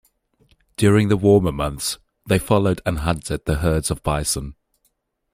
During the warmer months, they followed and hunted the herds of bison.